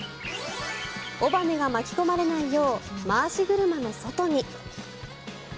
尾羽が巻き込まれないよう回し車の外に。